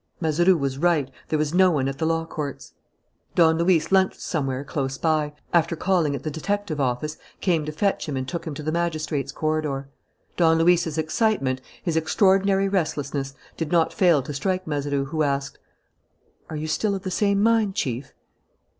Mazeroux was right: there was no one at the law courts. Don Luis lunched somewhere close by; and Mazeroux, after calling at the detective office, came to fetch him and took him to the magistrate's corridor. Don Luis's excitement, his extraordinary restlessness, did not fail to strike Mazeroux, who asked: "Are you still of the same mind, Chief?"